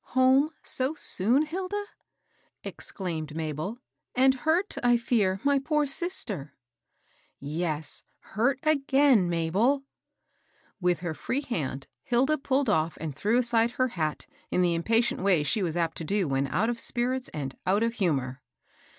'^ Home so soon, Hilda ?" exclaimed Mabel ;and hurt, I fear, my poor sister." Yes, hurt agcdn^ Mabel." With her free hand, Hilda i^W^ ^ wcA'QsstJW 216 MABEL BOSS. aside her hat in the impatient way she was apt to do when out of spirits and out of humor.